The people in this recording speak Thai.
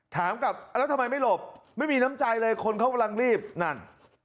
ถามกับแล้วทำไมไม่หลบไม่มีน้ำใจเลยคนเขากำลังรีบนั่น